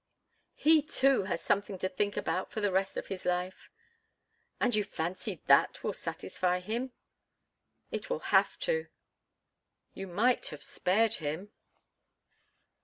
"He, too, has something to think about for the rest of his life." "And you fancy that will satisfy him?" "It will have to." "You might have spared him."